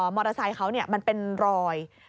มอเตอร์ไซค์เขามันเป็นรอย